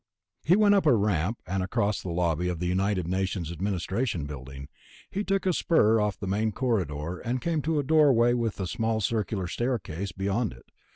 He went up a ramp and across the lobby of the United Nations Administration Building. He took a spur off the main corridor, and came to a doorway with a small circular staircase beyond it.